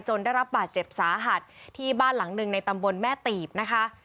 ได้รับบาดเจ็บสาหัสที่บ้านหลังหนึ่งในตำบลแม่ตีบนะคะ